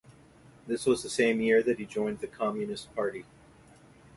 This was the same year that he joined the Communist Party.